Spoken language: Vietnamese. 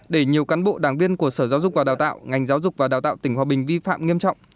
để nhiều cán bộ đảng viên của sở giáo dục và đào tạo ngành giáo dục và đào tạo tỉnh hòa bình vi phạm nghiêm trọng